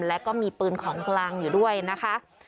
แล้วก็มีปืนของกลางอยู่ด้วยนะคะ